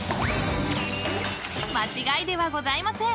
［間違いではございません！